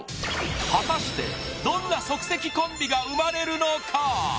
果たしてどんな即席コンビが生まれるのか！？